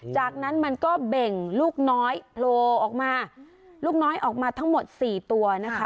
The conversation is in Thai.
จากนั้นมันก็เบ่งลูกน้อยโผล่ออกมาลูกน้อยออกมาทั้งหมด๔ตัวนะคะ